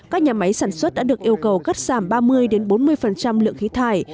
các nhà máy sản xuất đã được yêu cầu cắt giảm ba mươi bốn mươi lượng khí thải